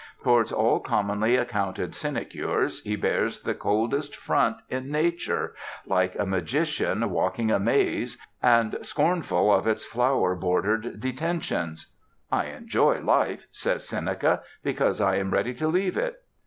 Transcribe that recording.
Towards all commonly accounted sinecures, he bears the coldest front in Nature, like a magician walking a maze, and scornful of its flower bordered detentions. "I enjoy life," says Seneca, "because I am ready to leave it."